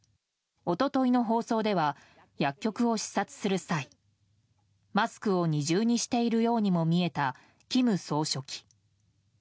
一昨日の放送では薬局を視察する際マスクを二重にしているようにも見えた、金総書記。